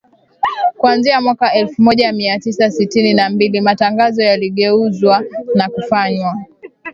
Kuanzia mwaka elfu moja mia tisa sitini na mbili matangazo yaligeuzwa na kufanywa